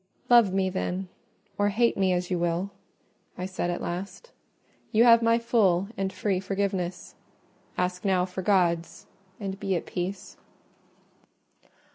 "Love me, then, or hate me, as you will," I said at last, "you have my full and free forgiveness: ask now for God's, and be at peace."